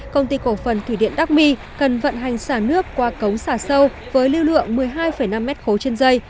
công ty cổ phần thủy điện đắc mi cần vận hành xả nước qua cống xả sâu với lưu lượng một mươi hai năm m ba trên dây